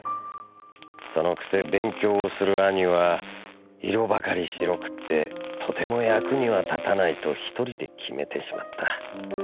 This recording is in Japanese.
その癖勉強をする兄は色ばかり白くってとても役には立たないと一人で決めてしまった。